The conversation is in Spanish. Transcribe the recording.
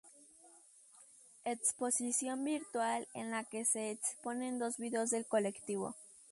Exposición virtual en la que se exponen dos videos del colectivo.